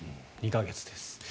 ２か月です。